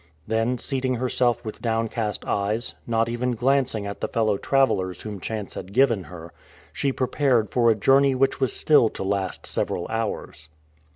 Then seating herself with downcast eyes, not even glancing at the fellow travelers whom chance had given her, she prepared for a journey which was still to last several hours.